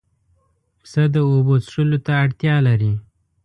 پسه د اوبو څښلو ته اړتیا لري.